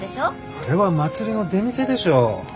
あれは祭りの出店でしょう？